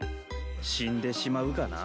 死んでしまうがな。